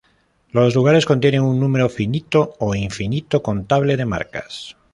Los lugares contienen un número finito o infinito contable de marcas.